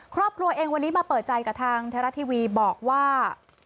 ครอบครัวเองวันนี้มาเปิดใจกับทางไทยรัฐทีวีบอกว่า